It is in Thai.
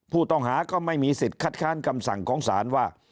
ผู้ต้องหาก็ไม่มีสิทธิ์คัดค้านคำสั่งของศาลว่า